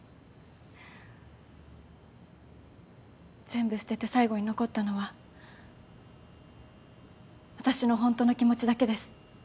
全部捨てて最後に残ったのは私のホントの気持ちだけです。